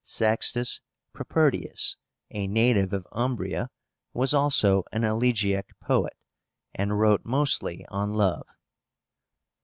SEXTUS PROPERTIUS, a native of Umbria, was also an elegiac poet, and wrote mostly on love.